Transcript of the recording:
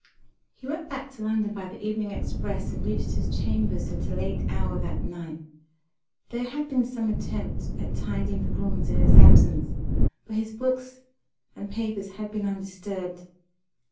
He went back to London by the evening express, and reached his chambers at a late hour that night. There had been some attempt at tidying the rooms in his absence; but his books and papers had been undisturbed.